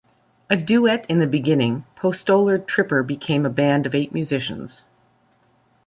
A duet in the beginning, Postolar Tripper became a band of eight musicians.